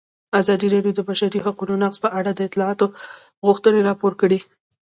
ازادي راډیو د د بشري حقونو نقض په اړه د اصلاحاتو غوښتنې راپور کړې.